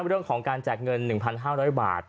เรื่องของการแจกเงิน๑๕๐๐บาท